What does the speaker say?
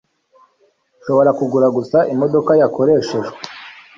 Nshobora kugura gusa imodoka yakoreshejwe.